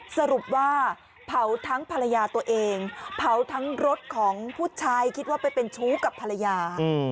สรุปว่าเผาทั้งภรรยาตัวเองเผาทั้งรถของผู้ชายคิดว่าไปเป็นชู้กับภรรยา